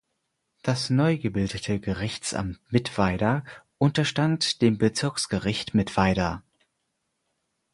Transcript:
Das neu gebildete Gerichtsamt Mittweida unterstand dem Bezirksgericht Mittweida.